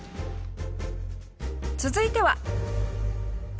続いては。